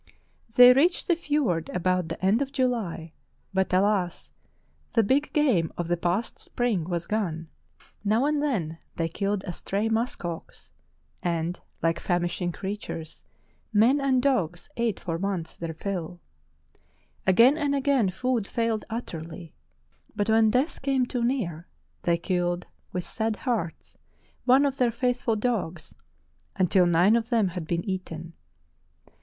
They reached the fiord about the end of July, but alas! the big game of the past spring was gone! Now and then they killed a stray musk ox and, like famishing creat ures, men and dogs ate for once their fill. Again and again food failed utterly, but when death came too near they killed, with sad hearts, one of their faithful dogs, until nine of them had been eaten.